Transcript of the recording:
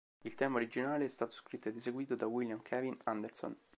Il tema originale è stato scritto ed eseguito da William Kevin Anderson.